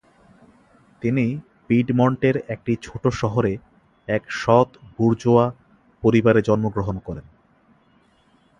তিনি পিডমন্টের একটি ছোট শহরে এক সৎ বুর্জোয়া পরিবারে জন্মগ্রহণ করেন।